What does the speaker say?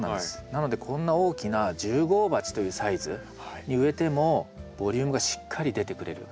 なのでこんな大きな１０号鉢というサイズに植えてもボリュームがしっかり出てくれる。